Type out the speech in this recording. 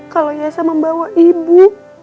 kalau yessa membawa ibu